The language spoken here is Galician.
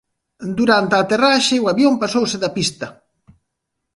Durante a aterraxe o avión pasouse da pista.